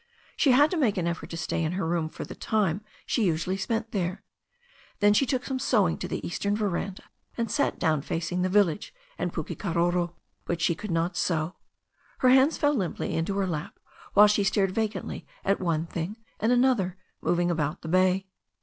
She had to make an effort to stay in her room for the time she usually spent there. Then she took some sewing to the eastern veranda, and sat down facing the village and Pukekaroro. But she could not sew. Her hands fell limply into her lap, while she stared vacantly at one thing and another moving about the bay.